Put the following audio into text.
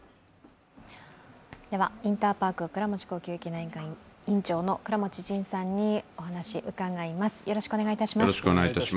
インターパーク倉持呼吸器内科院長の倉持仁さんにお話、伺います。